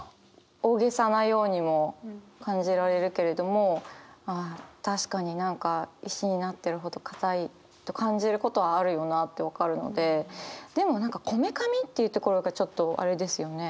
大げさなようにも感じられるけれども確かに何か石になってるほどかたいって感じることはあるよなって分かるのででも何かこめかみっていうところがちょっとあれですよね。